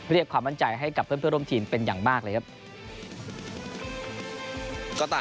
ความมั่นใจให้กับเพื่อนร่วมทีมเป็นอย่างมากเลยครับ